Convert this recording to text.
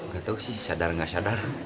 gak tau sih sadar nggak sadar